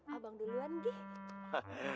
abang duluan gih